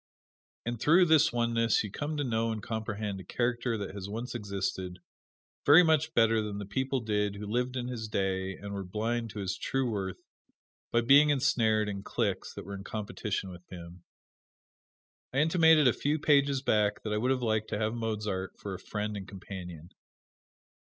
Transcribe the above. And through this oneness you come to know and comprehend a character that has once existed, very much better than the people did who lived in his day and were blind to his true worth by being ensnared in cliques that were in competition with him. Elkhart: I intimated a few pages back that I would have liked to have Mozart for a friend and companion.